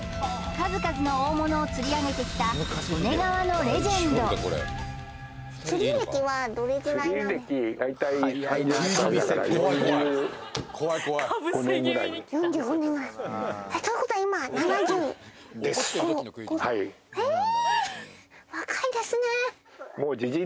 数々の大物を釣り上げてきた利根川のレジェンドですはいえーっ！